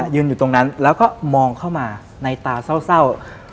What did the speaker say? ยืนอยู่ตรงนั้นแล้วก็มองเข้ามาในตาเศร้า